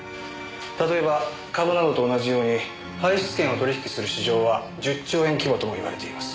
例えば株などと同じように排出権を取引する市場は１０兆円規模とも言われています。